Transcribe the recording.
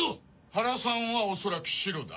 原さんは恐らくシロだ。